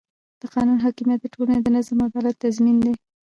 د قانون حاکمیت د ټولنې د نظم او عدالت تضمین دی